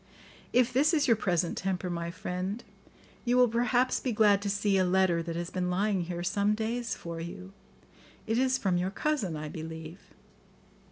"If this is your present temper, my friend, you will perhaps be glad to see a letter that has been lying here some days for you; it is from your cousin, I believe."